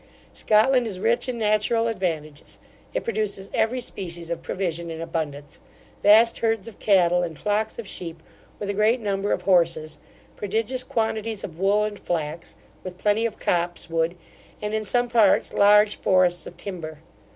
Scotland is rich in natural advantages: it produces every species of provision in abundance, vast herds of cattle and flocks of sheep, with a great number of horses; prodigious quantities of wool and flax, with plenty of copse wood, and in some parts large forests of timber.